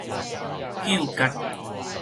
糾結